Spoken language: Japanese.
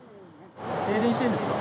停電してるんですか？